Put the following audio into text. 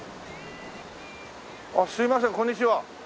すいませんこんにちは。